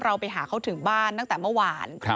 เราไปหาเขาถึงบ้านตั้งแต่เมื่อวาน